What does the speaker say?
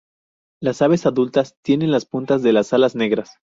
Las aves adultas tienen las puntas de las alas negras.